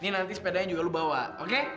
nanti sepedanya juga lo bawa oke